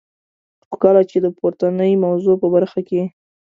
خو کله چي د پورتنی موضوع په برخه کي.